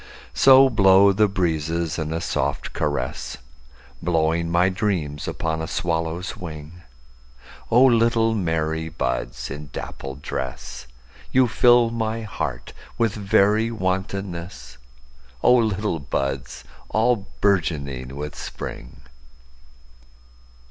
So blow the breezes in a soft caress, Blowing my dreams upon a swallow's wing;O little merry buds in dappled dress, You fill my heart with very wantonness—O little buds all bourgeoning with Spring!